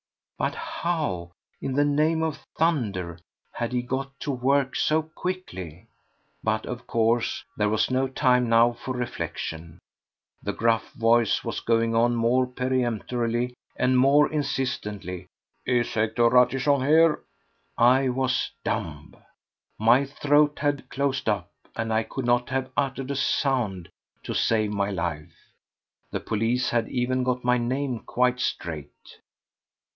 But how, in the name of thunder, had he got to work so quickly? But, of course, there was no time now for reflection. The gruff voice was going on more peremptorily and more insistently: "Is Hector Ratichon here?" I was dumb. My throat had closed up, and I could not have uttered a sound to save my life. The police had even got my name quite straight!